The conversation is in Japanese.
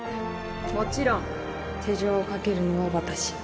もちろん手錠をかけるのは私